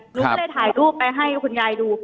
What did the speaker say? หนูก็เลยถ่ายรูปไปให้คุณยายดู